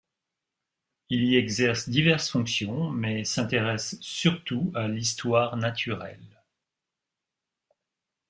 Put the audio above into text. Il y exerce diverses fonctions mais s’intéresse surtout à l’histoire naturelle.